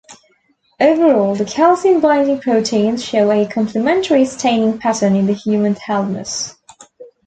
Overall, the calcium-binding proteins show a complementary staining pattern in the human thalamus.